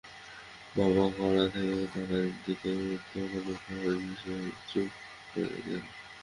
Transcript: বাবা কড়া করে তার দিকে তোকানোর কারণে সে চুপ করে গেল।